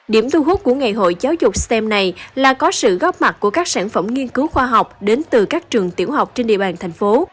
điểm thu hút của ngày hội giáo dục stem này là có sự góp mặt của các sản phẩm nghiên cứu khoa học đến từ các trường tiểu học trên địa bàn thành phố